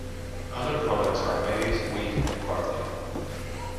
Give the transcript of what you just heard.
Other products are maize, wheat and barley.